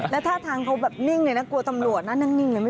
แล้วท่าทางเขาแบบนิ่งเลยนะกลัวตำรวจนะนิ่งเลย